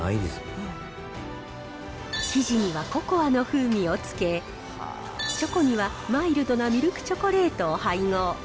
生地にはココアの風味をつけ、チョコにはマイルドなミルクチョコレートを配合。